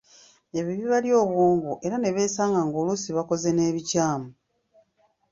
Ebyo bibalya obwongo era ne beesanga ng'oluusi bakoze n'ebikyamu.